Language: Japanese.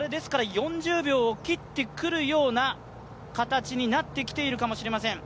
４０秒を切ってくるような形になってきているかもしれません。